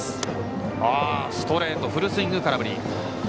ストレートフルスイングで空振り。